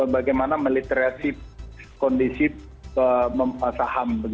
bagaimana meliterasi kondisi saham